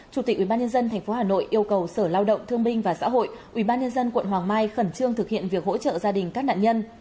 chủ tịch ubnd tp hà nội yêu cầu sở lao động thương minh và xã hội ubnd quận hoàng mai khẩn trương thực hiện việc hỗ trợ gia đình các nạn nhân